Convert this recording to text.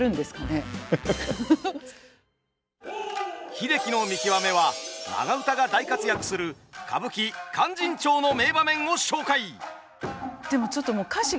「英樹の見きわめ」は長唄が大活躍する歌舞伎「勧進帳」の名場面を紹介！